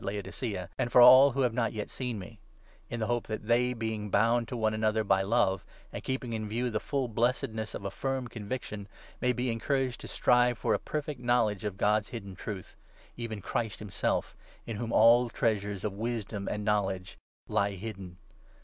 aj Laodicea, and for all who have not yet seen me ; in the hope that they, being bound to one another by 2 love, and keeping in view the full blessedness of a firm convic tion, may be encouraged to strive for a perfect knowledge of God's hidden Truth, even Christ himself, in whom all treasures '3 of wisdom and knowledge lie hidden.